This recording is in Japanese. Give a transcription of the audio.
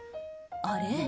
あれ？